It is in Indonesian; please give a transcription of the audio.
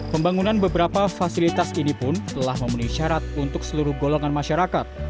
pembangunan beberapa fasilitas ini pun telah memenuhi syarat untuk seluruh golongan masyarakat